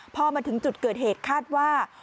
พอมาถึงจุดเกิดเหตุคาดว่า